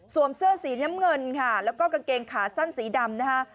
เสื้อสีน้ำเงินค่ะแล้วก็กางเกงขาสั้นสีดำนะคะ